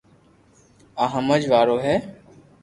آ ھمج وارو ھي